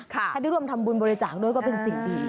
ถ้าได้ร่วมทำบุญบริจาคด้วยก็เป็นสิ่งดี